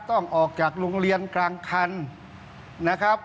ออกจากโรงเรียนกลางคันนะครับ